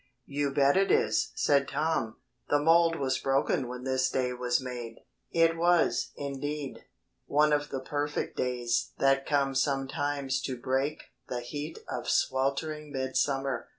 "You bet it is," said Tom, "the mould was broken when this day was made." It was, indeed, one of the perfect days that come sometimes to break the heat of sweltering midsummer.